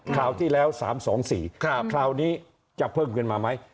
คราวที่แล้ว๓๒๔คราวนี้จะเพิ่มขึ้นมาไหม